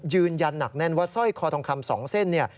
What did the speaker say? ยืนยันหนักแน่นว่าสร้อยคอทองคำ๒เส้นเนี่ย